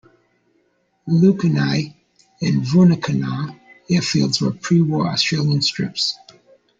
Lakunai and Vunakanau airfields were prewar Australian strips.